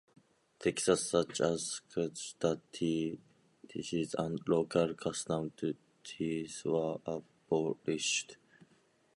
Taxes such as socage duty, tithes and local customs duties were abolished.